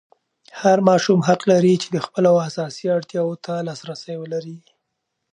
هر ماشوم حق لري چې د خپلو اساسي اړتیاوو ته لاسرسی ولري.